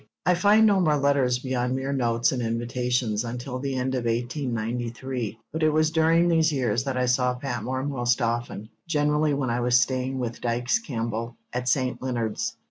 I find no more letters, beyond mere notes and invitations, until the end of 1893, but it was during these years that I saw Patmore most often, generally when I was staying with Dykes Campbell at St. Leonards.